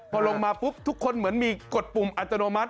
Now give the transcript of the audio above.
พอลงมาปุ๊บทุกคนเหมือนมีกฎปุ่มอัตโนมัติ